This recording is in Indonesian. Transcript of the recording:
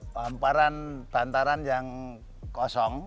pemparan bantaran yang kosong